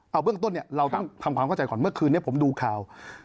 เอาเบื้องต้นเนี่ยเราต้องทำความเข้าใจก่อนเมื่อคืนนี้ผมดูข่าว